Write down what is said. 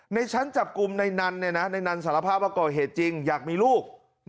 ในชั้นจับกลุ่มในนั้นในนันสารภาพว่าก่อเหตุจริงอยากมีลูก